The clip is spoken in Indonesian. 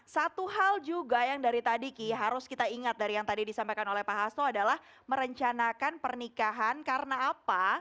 satu hal juga yang dari tadi ki harus kita ingat dari yang tadi disampaikan oleh pak hasto adalah merencanakan pernikahan karena apa